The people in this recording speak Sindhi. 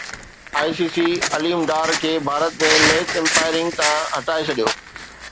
I C C Aleem Dar کي ڀارت ۾ ميچ امپائرنگ تان هٽائي ڇڏيو